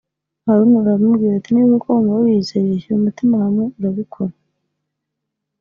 Haruna aramubwira ati “Niba koko wumva wiyizeye shyira umutima hamwe urabikora